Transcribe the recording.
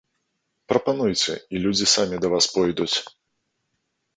Прапануйце, і людзі самі да вас пойдуць.